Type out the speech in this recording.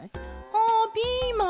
あピーマン。